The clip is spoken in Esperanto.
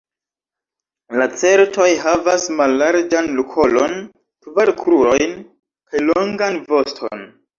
Lacertoj havas mallarĝan kolon, kvar krurojn kaj longan voston.